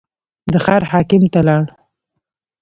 د ښار حاکم ته لاړ.